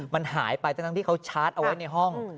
มันหายไปทั้งที่เขาชาร์จเอาไว้ในห้อง